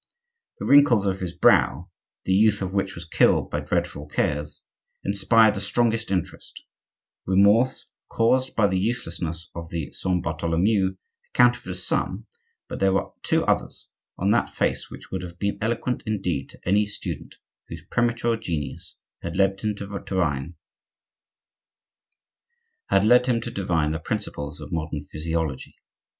The wrinkles of his brow, the youth of which was killed by dreadful cares, inspired the strongest interest; remorse, caused by the uselessness of the Saint Bartholomew, accounted for some, but there were two others on that face which would have been eloquent indeed to any student whose premature genius had led him to divine the principles of modern physiology.